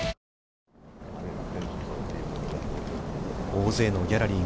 大勢のギャラリー